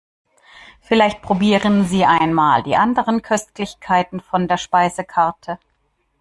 Vielleicht probieren Sie einmal die anderen Köstlichkeiten von der Speisekarte.